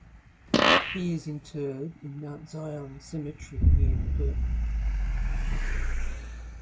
He is interred in Mount Zion Cemetery near Burton.